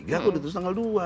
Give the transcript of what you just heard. aku ditulis tanggal dua